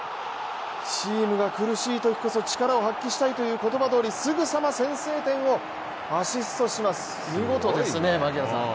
チームが苦しいときこそ力を発揮したいという言葉どおりすぐさま先制点をアシストします、見事ですね、槙原さん。